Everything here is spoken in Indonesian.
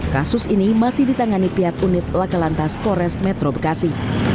kasus ini masih ditangani pihak unit laka lantas kores metro bekasi